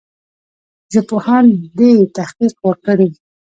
ژبپوهان دي تحقیق وکړي.